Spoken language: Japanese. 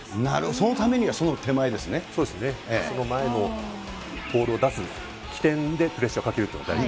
そのためにはそのそうですね、その前にボールを出す起点でプレッシャーをかけるっていうのが大事。